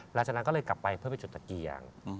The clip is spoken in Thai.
หลังจากนั้นก็เลยกลับไปเพื่อไปจุดตะเกียง